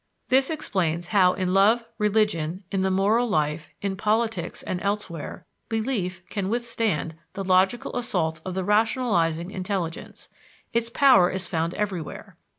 This explains how in love, religion, in the moral life, in politics, and elsewhere, belief can withstand the logical assaults of the rationalizing intelligence its power is found everywhere.